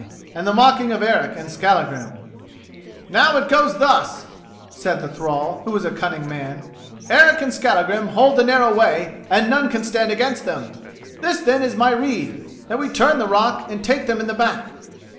and the mocking of Eric and of Skallagrim. "Now it goes thus," said the thrall, who was a cunning man: "Eric and Skallagrim hold the narrow way and none can stand against them. This, then, is my rede: that we turn the rock and take them in the back."